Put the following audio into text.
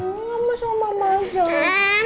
sama sama mama aja